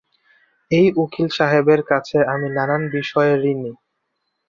এই উকিল সাহেবের কাছে আমি নানান বিষয়ে ঋণী।